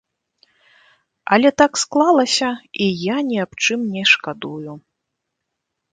Але так склалася, і я ні аб чым не шкадую.